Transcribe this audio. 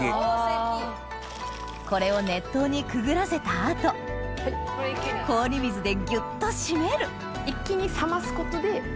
これを熱湯にくぐらせた後氷水でぎゅっと締める歯切れのいい。